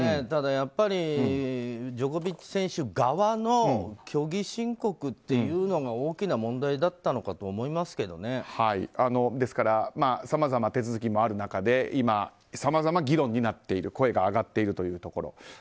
ただ、やっぱりジョコビッチ選手側の虚偽申告というのが大きな問題だったのかとですからさまざまな手続きもある中で今、さまざま議論になっている声が上がっているというところ。